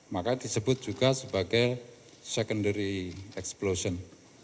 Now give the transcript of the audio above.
makanya disebut juga sebagai secondary explosion